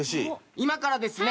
今からですね